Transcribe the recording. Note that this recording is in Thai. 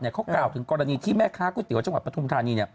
เขากล่าวถึงกรณีที่แม่ค้าก๋วยเตี๋ยวจังหวัดปฐุมธานี